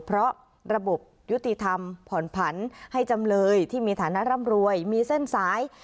เพราะระบบยุติธรรมผ่อนผันให้จำเลยที่มีฐานะร่ำรวยมีเส้นสาย